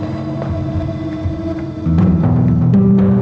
aku mau ke rumah